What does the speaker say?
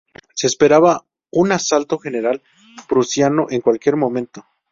Se esperaba un asalto general prusiano en cualquier momento.